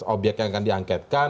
obyek yang akan diangkatkan